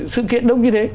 sự kiện đông như thế